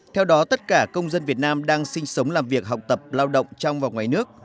theo đó tất cả công dân việt nam đang sinh sống làm việc học tập lao động trong và ngoài nước